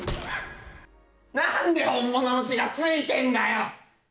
何で本物の血が付いてるんだよ！